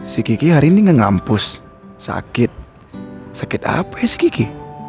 si kiki hari ini ngampus sakit sakit apa si kiki